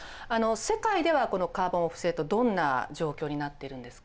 世界ではこのカーボンオフセットどんな状況になってるんですか？